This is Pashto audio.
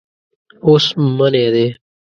اوس منی دی.